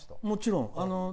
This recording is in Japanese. もちろん。